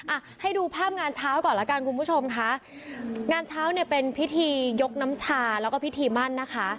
อ่ะให้ดูภาพงานเช้าก่อนแล้วกันคุณผู้ชมค่ะงานเช้าเนี่ยเป็นพิธียกน้ำชาแล้วก็พิธีมั่นนะคะ